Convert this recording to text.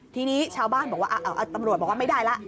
ทีนี้ชาวบ้านบอกว่าตำรวจบอกว่าไม่ได้แล้ว